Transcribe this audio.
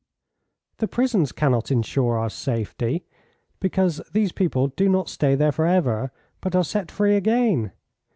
"The prisons cannot insure our safety, because these people do not stay there for ever, but are set free again.